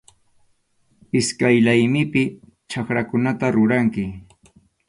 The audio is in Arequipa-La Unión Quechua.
Iskay laymipi chakrakunata ruranki.